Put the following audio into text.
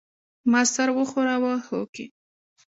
ما سر وښوراوه هوکې.